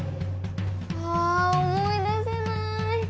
あ思い出せない！